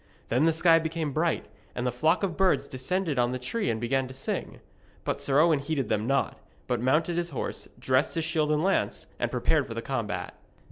Then the sky became bright, and the flock of birds descended on the tree and began to sing. But Sir Owen heeded them not, but mounted his horse, dressed his shield and lance, and prepared for the combat.